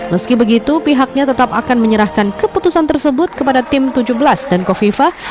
meski begitu pihaknya tetap akan menyerahkan keputusan tersebut kepada tim tujuh belas dan kofifa